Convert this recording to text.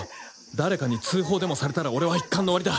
誰かに通報でもされたら俺は一巻の終わりだ。